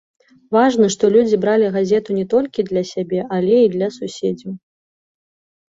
Важна, што людзі бралі газету не толькі для сябе, але і для суседзяў.